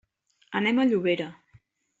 Anem a Llobera.